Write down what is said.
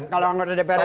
kalau anggota dpr ri